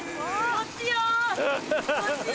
こっちよ！